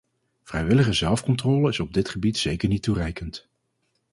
Vrijwillige zelfcontrole is op dit gebied zeker niet toereikend.